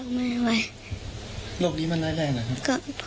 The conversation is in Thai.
โรคนี้มันร้ายแรงเหรอครับ